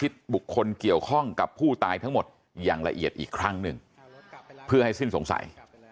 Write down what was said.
ทุกอย่างมีความสุขนะครับ